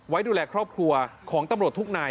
ไว้ดูแลครอบครัวของตำรวจทุกนาย